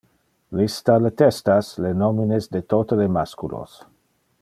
Lista le testas, le nomines de tote le masculos.